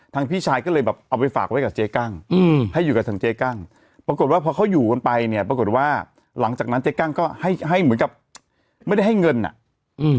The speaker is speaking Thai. พี่ชายก็เลยแบบเอาไปฝากไว้กับเจ๊กั้งอืมให้อยู่กับทางเจ๊กั้งปรากฏว่าพอเขาอยู่กันไปเนี่ยปรากฏว่าหลังจากนั้นเจ๊กั้งก็ให้ให้เหมือนกับไม่ได้ให้เงินอ่ะอืม